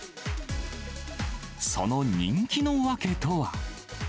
その人気の訳とは。